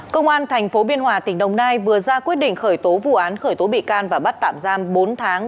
công an tp biên hòa tỉnh đồng nai vừa ra quyết định khởi tố vụ án khởi tố bị can và bắt tạm giam bốn tháng